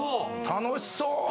・楽しそう！